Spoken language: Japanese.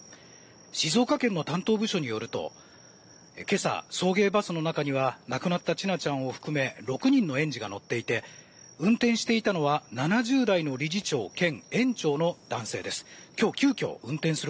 静岡県の担当部署によると今朝、送迎バスの中には亡くなった千奈ちゃんを含め６人の園児が乗っていて運転していたのは７０代の理事長兼園長の男性です。